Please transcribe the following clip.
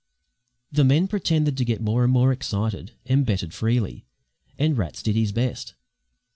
The men pretended to get more and more excited, and betted freely; and Rats did his best.